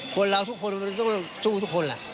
คนเราทุกคนต้องสู้ทุกคน